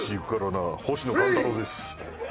星野勘太郎です。